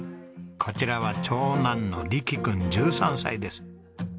こちらは長男の力君１３歳です。